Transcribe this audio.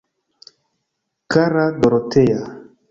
Kara Dorotea!